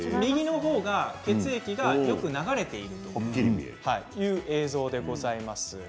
右は血液がよく流れているという映像でございます。